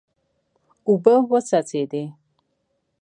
اوبه وڅڅېدې.